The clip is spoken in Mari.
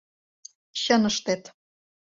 Чын ыштет.